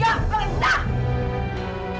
siapa pun tahu